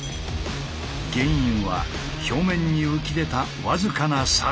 原因は表面に浮き出た僅かなサビ。